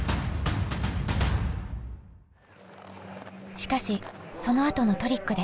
しかしそのあとのトリックで。